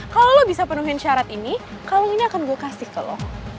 kalau lo bisa penuhin syarat ini kalau ini akan gue kasih ke lo